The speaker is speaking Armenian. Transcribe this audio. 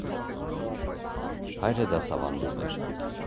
Հայրը դասավանդում էր։